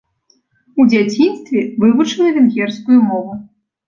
У дзяцінстве вывучыла венгерскую мову.